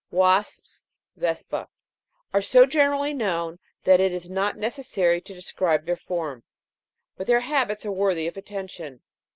6. Wasps Vespa are so generally known that it is not neces sary to describe their form ; but their habits are worthy of atten tion.